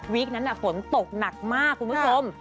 นั้นฝนตกหนักมากคุณผู้ชม